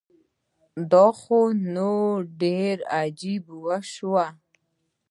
دا خو نو ډيره عجیبه وشوه